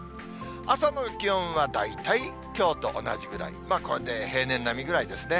朝の気温は大体きょうと同じぐらい、これで平年並みくらいですね。